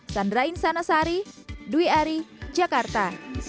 sandra insanasari dwi ari jakarta